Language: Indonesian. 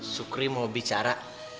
sukri mau bicara